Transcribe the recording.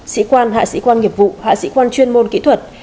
sĩ quan hạ sĩ quan nghiệp vụ hạ sĩ quan chuyên môn kỹ thuật